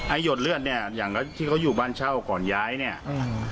หยดเลือดเนี้ยอย่างก็ที่เขาอยู่บ้านเช่าก่อนย้ายเนี้ยอืม